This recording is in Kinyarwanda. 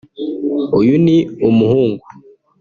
uyu ni umuhungu